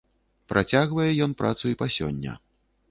Працягвае ён працу і па сёння.